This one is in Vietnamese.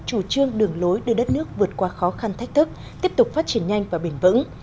chủ trương đường lối đưa đất nước vượt qua khó khăn thách thức tiếp tục phát triển nhanh và bền vững